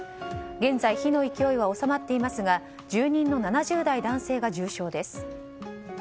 現在火の勢いは収まっていますが住人の７０代男性が重傷です。